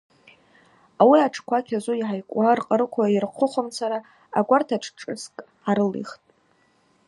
Ауи атшква кьазу йгӏайкӏуа, ркъаруква йырхъвыхуамцара агварта тшшӏыскӏ гӏарылихтӏ.